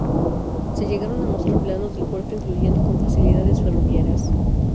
Se llegaron a mostrar planos del puerto incluyendo con facilidades ferroviarias.